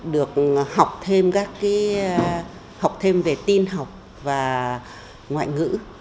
được học thêm về tin học và ngoại ngữ